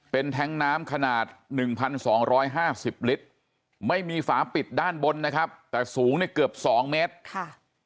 เป็นแท้งน้ำขนาด๑๒๕๐ลิตรไม่มีฝาปิดด้านบนนะครับแต่สูงเนี่ยเกือบ๒เมตรค่ะ